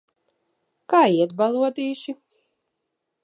Kā iet, balodīši?